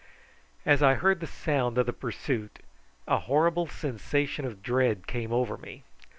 As I heard the sound of the pursuit a horrible sensation of dread came over me.